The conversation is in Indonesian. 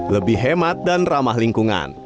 lebih hemat dan ramah lingkungan